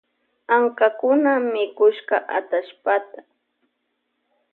Ankakuna mikushka atallpata.